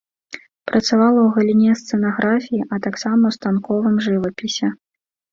Працавала ў галіне сцэнаграфіі, а таксама ў станковым жывапісе.